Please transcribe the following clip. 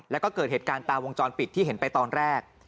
แล้วก็เกิดเหตุการณ์ตามวงจรปิดที่เห็นไปตอนแรก